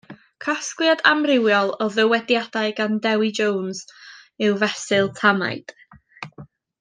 Casgliad amrywiol o ddywediadau gan Dewi Jones yw Fesul Tamaid.